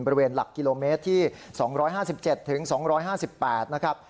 หลักกิโลเมตรที่๒๕๗๒๕๘นะครับ